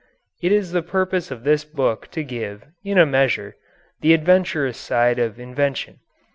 It is the purpose of this book to give, in a measure, the adventurous side of invention.